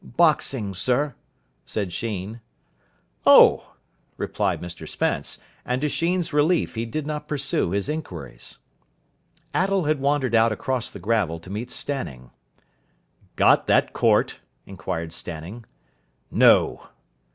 "Boxing, sir," said Sheen. "Oh," replied Mr Spence, and to Sheen's relief he did not pursue his inquiries. Attell had wandered out across the gravel to meet Stanning. "Got that court?" inquired Stanning. "No."